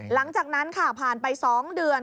หลังจากนั้นค่ะผ่านไป๒เดือน